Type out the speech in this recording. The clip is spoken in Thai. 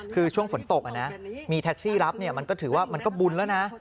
คือช่วงฝนตกมีแท็กซี่รับมันก็ถือว่ามันก็บุญแล้วนะ